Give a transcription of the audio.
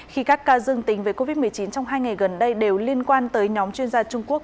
khi các ca dương tính với covid một mươi chín trong hai ngày gần đây đều liên quan tới nhóm chuyên gia trung quốc